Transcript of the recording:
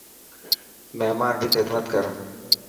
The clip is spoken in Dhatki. مهمان ري خدمت ڪر.